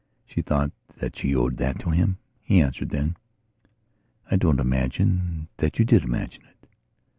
She thought that she owed that to him. He answered then: "I don't imagine that you did imagine it."